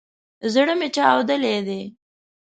زړه مي چاودلی دی